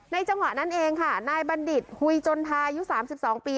จังหวะนั้นเองค่ะนายบัณฑิตหุยจนทายุ๓๒ปี